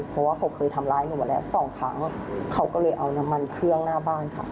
เพราะว่าเขาเคยทำร้ายหนูมาแล้วสองครั้งเขาก็เลยเอาน้ำมันเครื่องหน้าบ้านค่ะ